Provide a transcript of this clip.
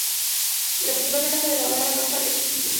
Las principal ventaja de la barra Panhard es su simplicidad.